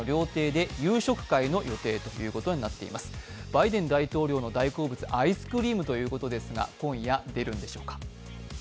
バイデン大統領の大好物、アイスクリームということですが、今夜出るんでしょうか。